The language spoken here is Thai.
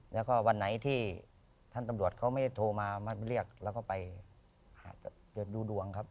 แล้วก็วันไหนที่ท่านตำรวจเขาไม่ได้โทรมาเรียกแล้วก็ไปหาดูดวงครับ